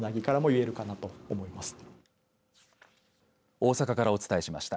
大阪からお伝えしました。